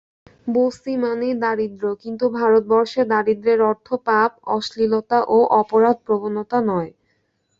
বস্তি মানেই দারিদ্র্য! কিন্তু ভারতবর্ষে দারিদ্র্যের অর্থ পাপ, অশ্লীলতা ও অপরাধ-প্রবণতা নয়।